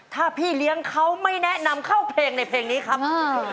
ถ้าพี่เลี้ยงเขาไม่แนะนำเข้าเพลงในเพลงนี้ครับ